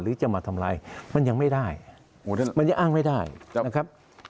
จะมาทำร้ายมันยังไม่ได้มันยังอ้างไม่ได้นะครับ